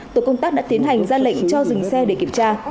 tổ công tác đã tiến hành ra lệnh cho dừng xe để kiểm tra